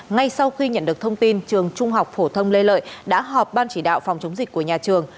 ngay sau khi nhận được thông tin trường trung học phổ thông lê lợi đã họp ban chỉ đạo phòng chống dịch của nhà trường